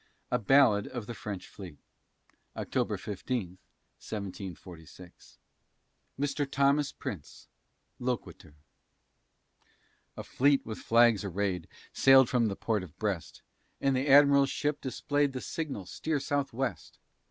A BALLAD OF THE FRENCH FLEET [October 15, 1746] MR. THOMAS PRINCE, loquitur A fleet with flags arrayed Sailed from the port of Brest, And the Admiral's ship displayed The signal: "Steer southwest."